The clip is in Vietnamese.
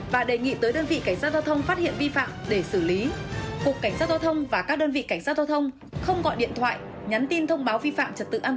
và đề nghị tới đơn vị cảnh sát giao thông phát hiện vi phạm để xử lý